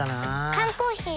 缶コーヒー